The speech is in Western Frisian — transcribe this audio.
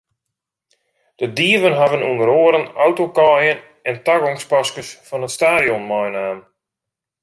De dieven hawwe ûnder oare autokaaien en tagongspaskes fan it stadion meinaam.